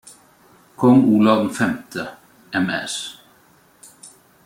Kong Olav V, m.s.